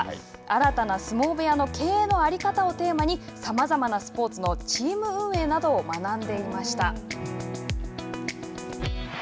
新たな相撲部屋の経営の在り方をテーマに、さまざまなスポーツのチーム運営などを学んでいました。